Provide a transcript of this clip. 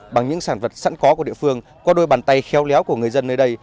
bằng những sản vật sẵn có của địa phương qua đôi bàn tay khéo léo của người dân nơi đây